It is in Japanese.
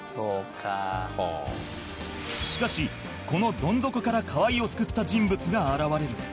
しかしこのどん底から河合を救った人物が現れる